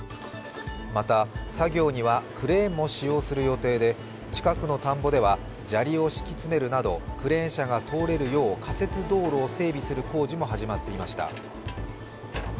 また、作業にはクレーンも使用する予定で近くの田んぼでは砂利を敷き詰めるなど、クレーン車が通れるよう仮設道路を整備する工事も始まっていました。